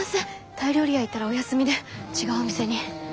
タイ料理屋行ったらお休みで違うお店に。